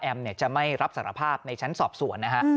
จะไม่รับสารภาพในชั้นสอบสวนนะฮะ